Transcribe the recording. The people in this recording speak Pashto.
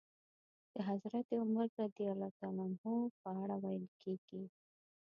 د حضرت عمر رض په اړه ويل کېږي.